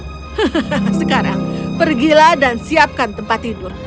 hahaha sekarang pergilah dan siapkan tempat tidur